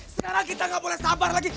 sekarang kita nggak boleh sabar lagi